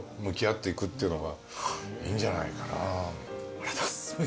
ありがとうございます。